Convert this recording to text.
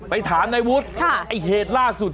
ถามนายวุฒิไอ้เหตุล่าสุด